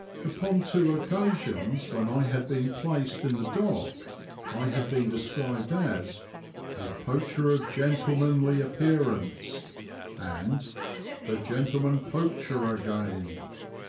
Upon two occasions when I had been placed in the dock, I had been described as ^' a poacher of gentlemanly appearance, ' and '' the gentleman poacher again."